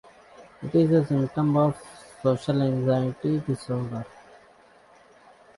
It is a symptom of social anxiety disorder.